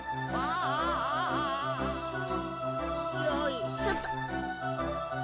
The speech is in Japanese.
よいしょっと！